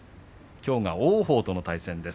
きょうは王鵬との対戦です。